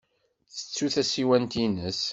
Tettu tasiwant-nnes.